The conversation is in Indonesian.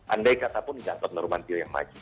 andai katapun gatot menurut manpil yang maju